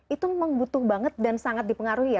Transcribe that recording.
itu membutuhkan banget dan sangat dipengaruhi ya